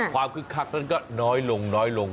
ความคึกคักนั้นก็น้อยลงลง